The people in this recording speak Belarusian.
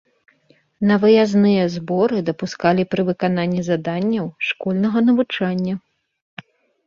На выязныя зборы дапускалі пры выкананні заданняў школьнага навучання.